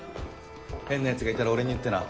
変なやつがいたら俺に言ってな？